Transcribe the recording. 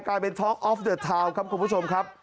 กลายเป็นท็อกออฟเดอร์ทาวน์ครับคุณผู้ชมครับ